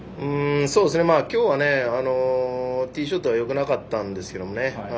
今日はティーショットはよくなかったんですけどね。